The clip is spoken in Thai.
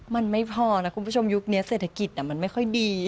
มันไม่พอนะคุณผู้ชมยุคนี้เศรษฐกิจมันไม่ค่อยดี